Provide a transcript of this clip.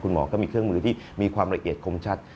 หมอก็มีเครื่องมือที่มีความละเอียดคมชัด